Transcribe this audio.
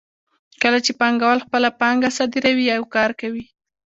کله چې پانګوال خپله پانګه صادروي یو کار کوي